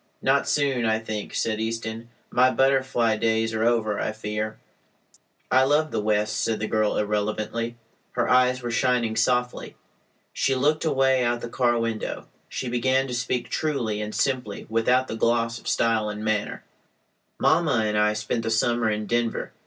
"Not soon, I think," said Easton. "My butterfly days are over, I fear." "I love the West," said the girl irrelevantly. Her eyes were shining softly. She looked away out the car window. She began to speak truly and simply without the gloss of style and manner: "Mamma and I spent the summer in Denver.